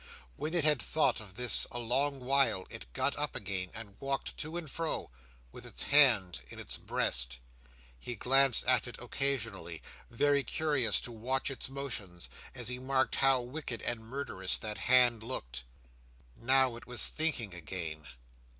When it had thought of this a long while, it got up again, and walked to and fro with its hand in its breast. He glanced at it occasionally, very curious to watch its motions, and he marked how wicked and murderous that hand looked. Now it was thinking again!